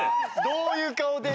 どういう顔で？